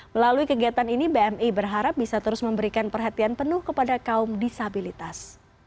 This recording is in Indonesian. melalui kegiatan ini bmi berharap bisa terus memberikan perhatian penuh kepada kaum disabilitas